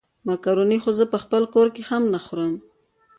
مېکاروني خو زه په خپل کور کې هم نه خورم.